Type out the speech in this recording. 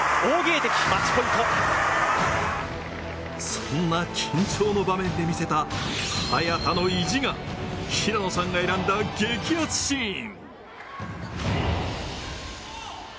そんな緊張の場面で見せた早田の意地が平野さんが選んだ激アツシーン。